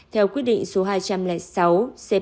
theo quyết định số hai trăm linh sáu